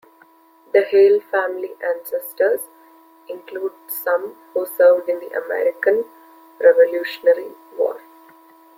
The Haile family ancestors include some who served in the American Revolutionary War.